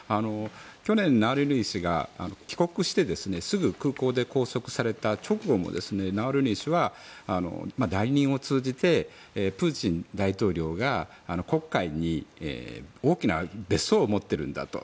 去年、ナワリヌイ氏が帰国してすぐ空港で拘束された直後もナワリヌイ氏は代理人を通じてプーチン大統領が黒海に大きな別荘を持っているんだと。